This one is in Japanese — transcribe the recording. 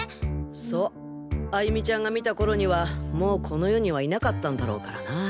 そう歩美ちゃんが見た頃にはもうこの世にはいなかったんだろうからな。